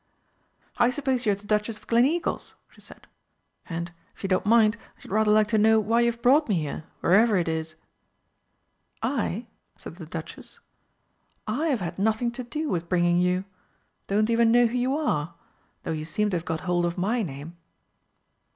"I suppose you are the Duchess of Gleneagles?" she said. "And, if you don't mind, I should rather like to know why you've brought me here wherever it is." "I?" said the Duchess. "I've had nothing to do with bringing you. Don't even know who you are though you seem to have got hold of my name."